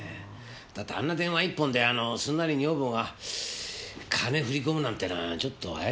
だってあんな電話１本ですんなり女房が金振り込むなんてのはちょっと怪しいでしょ。